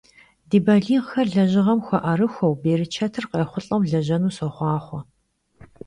Di baliğxer lejığem xue'erıxueu, bêrıçetır khayxhulh'eu lejenu soxhuaxhue!